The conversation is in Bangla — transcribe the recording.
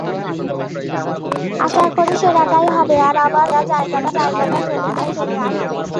আশা করি সেরাটাই হবে আর আমার বলে দেয়া জায়গায় সন্ধ্যায় চলে আসবে।